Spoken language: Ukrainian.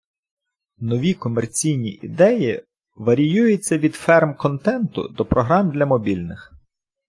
Нові комерційні ідеї варіюються від "ферм контенту" до програм для мобільних.